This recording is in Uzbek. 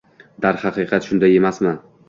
Darhaqiqat, shunday emasmi